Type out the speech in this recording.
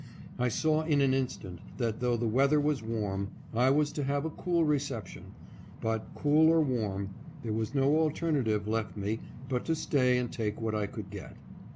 I saw in an instant that, though the weather was warm, I was to have a cool reception ; but, cool or warm, there was no alternative left me but to stay and take what I could get.